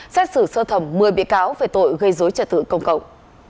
xét xử sơ thẩm một mươi bị cáo về tội gây dối trật tự công cộng